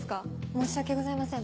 申し訳ございません